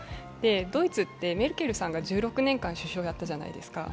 ドイツってメルケルさんが１６年間首相やったじゃないですか。